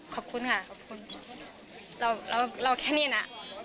ขอบคุณค่ะ